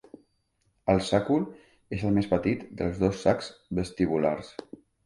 El sàcul és el més petit dels dos sacs vestibulars.